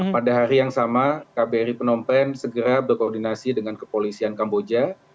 pada hari yang sama kbri penompen segera berkoordinasi dengan kepolisian kamboja